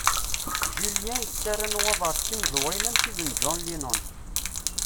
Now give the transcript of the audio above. Julien yettarra nnwaḍer d timdewṛin am tid n John Lennon.